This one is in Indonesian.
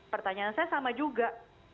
pertanyaan saya sama juga